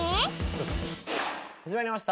始まりました